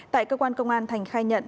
tại cơ quan công an thành khai nhận